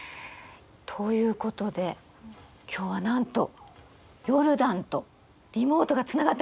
ということで今日はなんとヨルダンとリモートがつながってます。